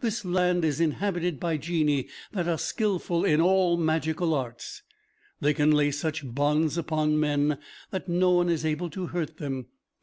This land is inhabited by Genii that are skilful in all magical arts. They can lay such bonds upon men that no one is able to hurt them.